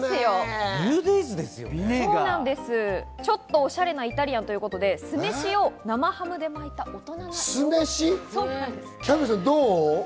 おしゃれなイタリアンということで、酢飯を生ハムで巻いた大人のおにぎりです。